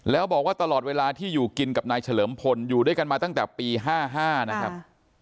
แล้วบอกว่าตลอดเวลาที่อยู่กินกับนายเฉลิมพลอยู่ด้วยกันมาตั้งแต่ปี๕๕นะครับ